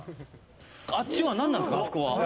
あっちは何なんですか？